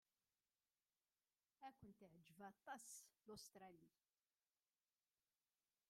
Ad ken-teɛjeb aṭas Ustṛalya.